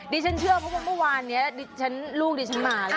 ดิฉันเชื่อเพราะว่าเมื่อวานนี้ลูกเดี๋ยวฉันมา